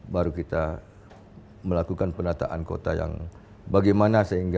baru kita melakukan penataan kota yang bagaimana sehingga